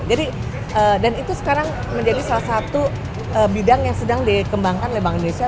dan itu sekarang menjadi salah satu bidang yang sedang dikembangkan oleh bank indonesia